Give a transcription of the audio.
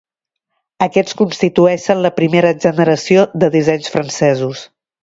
Aquests constitueixen la primera generació de dissenys francesos.